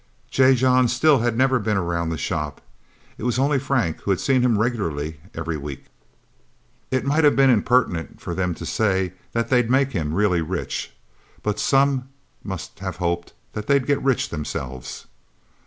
J. John still had never been around the shop. It was only Frank who had seen him regularly, every week. It might have been impertinent for them to say that they'd make him really rich. But some must have hoped that they'd get rich, themselves.